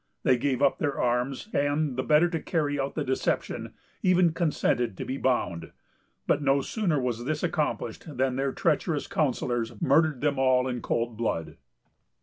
They gave up their arms, and, the better to carry out the deception, even consented to be bound; but no sooner was this accomplished, than their treacherous counsellors murdered them all in cold blood.